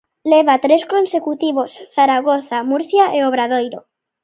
Leva tres consecutivos, Zaragoza, Murcia e Obradoiro.